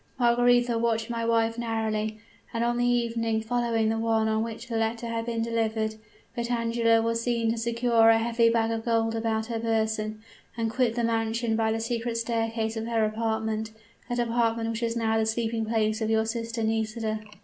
Margaretha watched my wife narrowly, and on the evening following the one on which the letter had been delivered, Vitangela was seen to secure a heavy bag of gold about her person, and quit the mansion by the secret staircase of her apartment that apartment which is now the sleeping place of your sister Nisida.